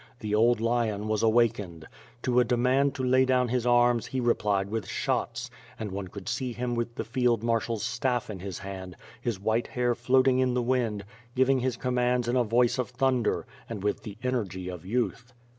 The old lion was awakened. To a demand to lay down his arms, he replied with shots, and one could see him with the field marshal's staff in his hand, his white hair floating in the wind, giving his commands in a voice of thunder, and with the energy of youth.